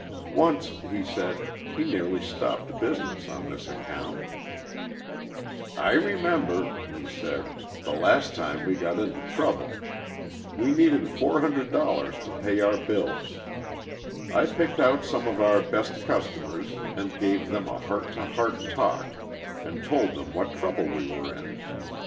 Once, he said, he nearly stopped business on this account. "I remember," he said, "the last time we got into trouble. We needed $400 to pay our bills. I picked out some of our best customers and gave them a heart to heart talk and told them what trouble we were in.